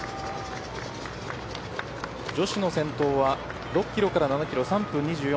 女子の先頭は６キロから７キロ３分２４